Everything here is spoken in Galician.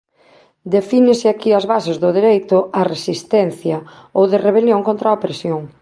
Defínese aquí as bases do dereito á resistencia ou de rebelión contra a opresión.